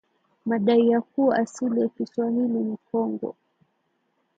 madai ya kuwa asili ya Kiswahili ni Kongo